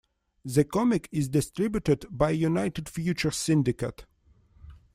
The comic is distributed by United Features Syndicate.